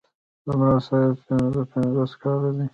د عمر اوسط يې پنځه پنځوس کاله دی.